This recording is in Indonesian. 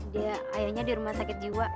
dia ayahnya di rumah sakit jiwa